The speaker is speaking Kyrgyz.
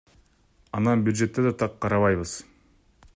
Анан бюджетте да так карабайбыз.